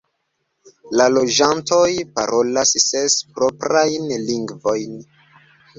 La loĝantoj parolas ses proprajn lingvojn.